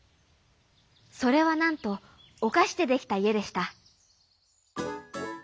それはなんとおかしでできたいえでした。